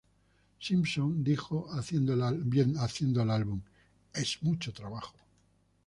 Simpson dijo haciendo el álbum: "Es mucho trabajo.